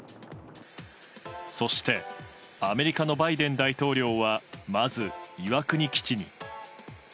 そしてアメリカのバイデン大統領はまず、岩国基地に。